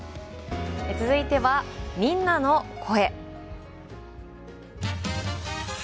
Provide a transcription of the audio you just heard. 続いては、みんなの声。